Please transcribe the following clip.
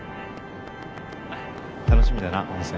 楽しみだな温泉。